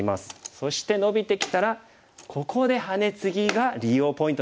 そしてノビてきたらここでハネツギが利用ポイントですね。